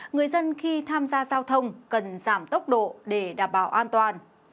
người dân khi tham gia giao thông cần giảm tốc độ để đảm bảo an toàn